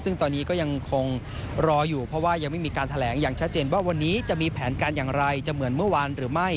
ซึ่งตอนนี้ก็ยังคงรออยู่เพราะว่ายังไม่มีการแถลงวันนี้จะมีแผนการอย่างไรในท่วินียามือวานหรือไม่